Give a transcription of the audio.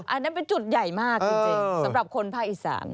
อันนั้นเป็นจุดใหญ่มากจริงสำหรับคนภาคอีสาน